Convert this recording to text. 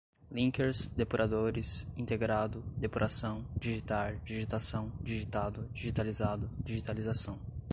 linkers, depuradores, integrado, depuração, digitar, digitação, digitado, digitalizado, digitalização